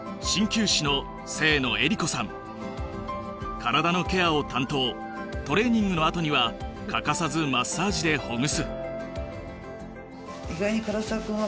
体のケアを担当トレーニングのあとには欠かさずマッサージでほぐす。